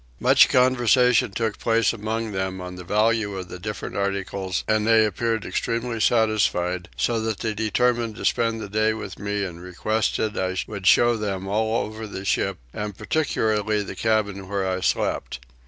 Much conversation took place among them on the value of the different articles and they appeared extremely satisfied, so that they determined to spend the day with me and requested I would show them all over the ship, and particularly the cabin where I slept.